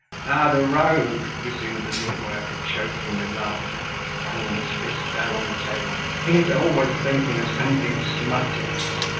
"Ah, the rogue!" resumed the zinc worker, choking with laughter, banging his fist down on the table, "he's always thinking of something smutty!